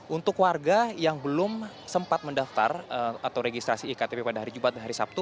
untuk warga yang belum sempat mendaftar atau registrasi iktp pada hari jumat dan hari sabtu